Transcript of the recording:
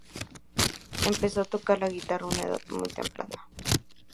Empezó a tocar la guitarra a una edad muy temprana.